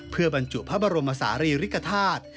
เพื่อบรรจุพระบรมศาลีริกฐาตุ